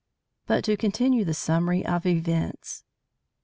But to continue the summary of events.